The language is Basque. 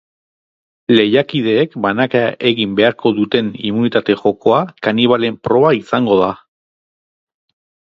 Lehiakideek banaka egin beharko duten immunitate jokoa kanibalen proba izango da.